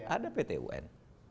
ada pt un